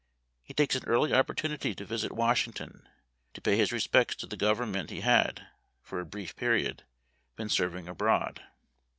He takes an early opportunity to visit Washing ton, to pay his respects to the Government he had, for a brief period, been serving abroad.